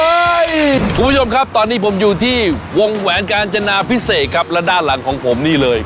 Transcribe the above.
คุณผู้ชมครับตอนนี้ผมอยู่ที่วงแหวนกาญจนาพิเศษครับและด้านหลังของผมนี่เลย